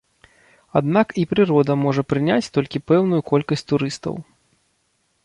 Аднак і прырода можа прыняць толькі пэўную колькасць турыстаў.